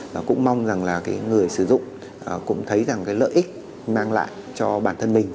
và cũng mong rằng là người sử dụng cũng thấy lợi ích mang lại cho bản thân mình